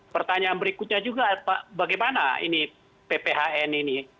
pertanyaan berikutnya juga bagaimana ini pphn ini